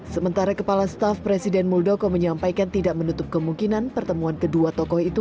sementara kepala staf presiden muldoko menyampaikan tidak menutup kemungkinan pertemuan kedua tokoh itu